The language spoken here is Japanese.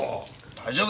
大丈夫。